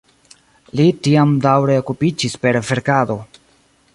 Li tiam daŭre okupiĝis per verkado.